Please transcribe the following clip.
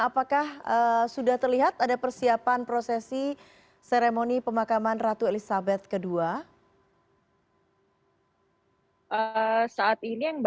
apakah sudah terlihat ada persiapan prosesi seremoni pemakaman ratu elizabeth ii